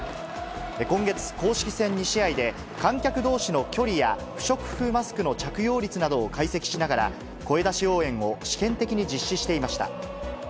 今月、公式戦２試合で観客どうしの距離や不織布マスクの着用率などを解析しながら、声出し応援を試験的に実施していました。